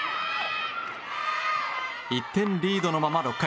１点リードのまま６回。